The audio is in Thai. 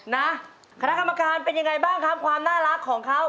นะคณะกรรมการเป็นยังไงบ้างครับความน่ารักของเขา